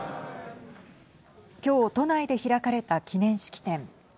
今日都内で開かれた記念式典。